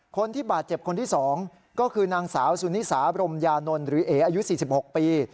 คนที่บาดเจ็บคนที่๒ก็คือนางสาวสุนิสาบรมยานนท์หรือเออายุ๔๖ปี